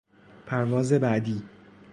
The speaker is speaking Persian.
پرواز بعدی